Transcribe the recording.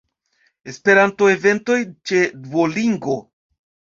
Esperanto-eventoj ĉe Duolingo.